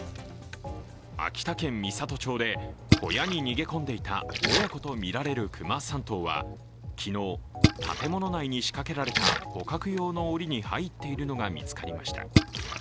秋田県三郷町で、小屋に逃げ込んでいた親子とみられる熊３頭は、昨日、建物内に仕掛けられた捕獲用のおりに入っているのが見つかりました。